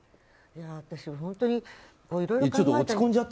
私も本当にいろいろ考えて。